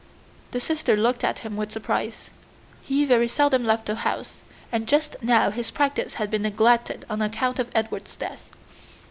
The sisters looked at him with surprise. He very seldom left home, and just now his practice had been neglected on account of Edward's death.